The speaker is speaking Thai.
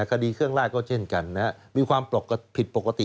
คดีเครื่องราชก็เช่นกันมีความผิดปกติ